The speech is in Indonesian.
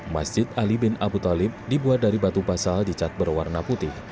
masjid ali bin abu talib dibuat dari batu basal dicat berwarna putih